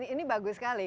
ini bagus sekali